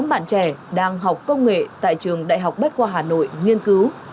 bốn bạn trẻ đang học công nghệ tại trường đại học bách khoa hà nội nghiên cứu